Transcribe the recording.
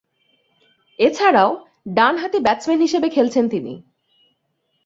এছাড়াও, ডানহাতি ব্যাটসম্যান হিসেবে খেলছেন তিনি।